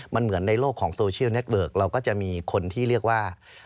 มันเหมือนในโลกของโซเชียลเน็ตเวิร์กเราก็จะมีคนที่เรียกว่า